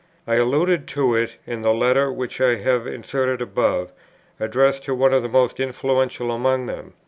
I alluded to it in the letter which I have inserted above, addressed to one of the most influential among them.